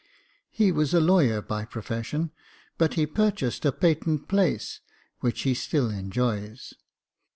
He was a lawyer by profession, but he purchased a patent place, which he still enjoys.